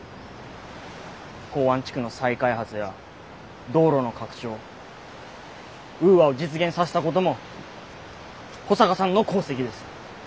港湾地区の再開発や道路の拡張ウーアを実現させたことも保坂さんの功績です。